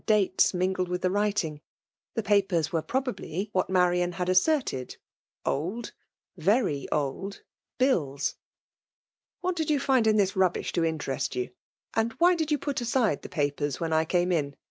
dates jningled with the writing ; ±he papers were probably, what Marian had asserted, old, very old bills. '' What did you find in this rubbish to interest you; and why did you put aside the papers when I came in?"